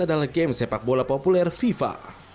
dalam game sepak bola populer fifa